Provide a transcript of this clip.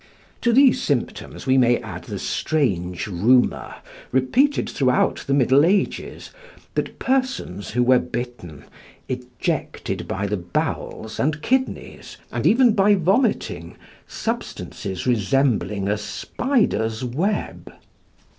To these symptoms we may add the strange rumour, repeated throughout the middle ages, that persons who were bitten, ejected by the bowels and kidneys, and even by vomiting, substances resembling a spider's web.